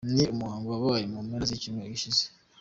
Ni umuhango wabaye mu mpera z'icyumweru gishize.